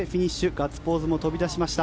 ガッツポーズも飛び出しました。